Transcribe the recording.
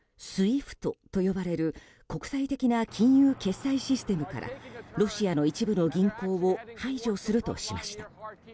ＳＷＩＦＴと呼ばれる国際的な金融決済システムからロシアの一部の銀行を排除するとしました。